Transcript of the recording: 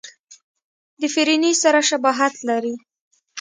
د فرني سره شباهت لري.